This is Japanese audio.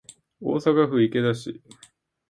大阪府池田市